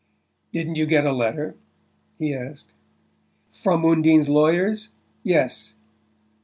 "Didn't you get a letter?" he asked. "From my from Undine's lawyers? Yes."